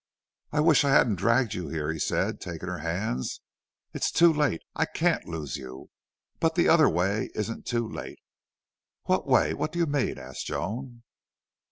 "I wish I hadn't dragged you here," he said, taking her hands. "It's too late. I CAN'T lose you.... But the OTHER WAY isn't too late!" "What way? What do you mean?" asked Joan.